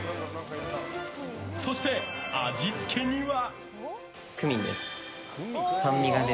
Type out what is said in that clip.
そして味付けには。